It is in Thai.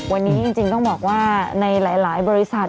วันนี้จริงต้องบอกว่าในหลายบริษัท